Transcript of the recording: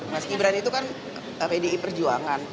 mas gibran itu kan pdi perjuangan